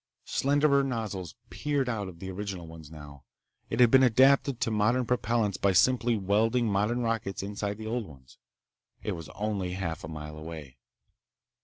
Slenderer nozzles peered out of the original ones now. It had been adapted to modern propellants by simply welding modern rockets inside the old ones. It was only half a mile away.